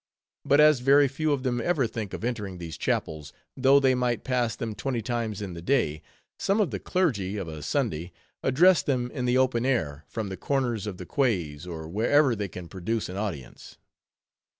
But as very few of them ever think of entering these chapels, though they might pass them twenty times in the day, some of the clergy, of a Sunday, address them in the open air, from the corners of the quays, or wherever they can procure an audience.